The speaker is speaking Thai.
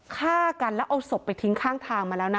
ฆ่ากันแล้วเอาศพไปทิ้งข้างทางมาแล้วนะ